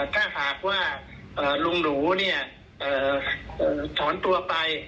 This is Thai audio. ถ้าหากว่าเอ่อลุงหนูเนี่ยเอ่อเอ่อถอนตัวไป